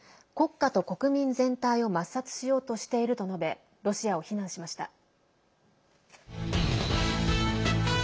国家と国民全体を抹殺しようとしていると述べロシアを非難しました。